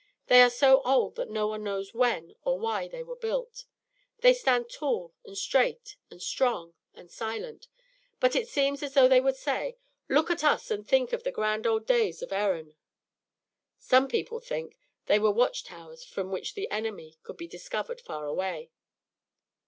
They are so old that no one knows when or why they were built. They stand tall and straight and strong and silent. But it seems as though they would say, "Look at us and think of the grand old days of Erin!" Some people think they were watch towers from which the enemy could be discovered far away.